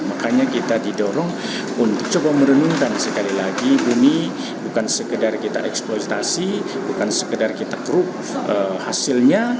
makanya kita didorong untuk coba merenungkan sekali lagi bumi bukan sekedar kita eksploitasi bukan sekedar kita crup hasilnya